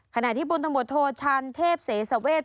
ขณะที่บนตรรมทรโทชันเทพเสสเวช